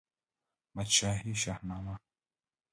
احمدشاهي شهنامه